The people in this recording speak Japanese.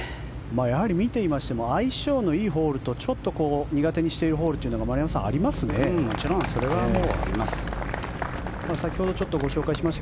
やはり見ていましても相性のいいホールとちょっと苦手にしているホールというのがもちろんそれはあります。